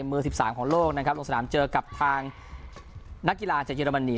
มือ๑๓ของโลกนะครับลงสนามเจอกับทางนักกีฬาจากเยอรมนี